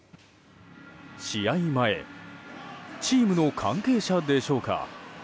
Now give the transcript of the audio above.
試合前チームの関係者でしょうか。